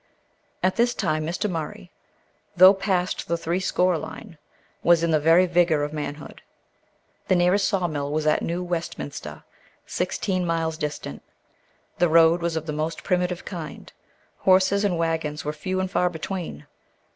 At this time Mr. Murray, though past the threescore line, was in the very vigor of manhood. The nearest saw mill was at New Westminster, sixteen miles distant. The road was of the most primitive kind. Horses and wagons were few and far between.